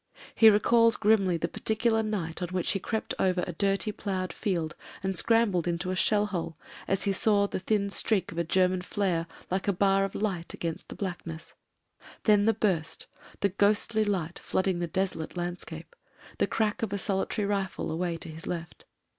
He re calls grimly the particular night on which he crept over a dirty ploughed field and scrambled into a shell hole as he saw the thin green streak of a German flare like a bar of light against the blackness; then the burst — ^the ghostly light flooding the desolate land scape — ^the crack of a solitary rifle away to his left.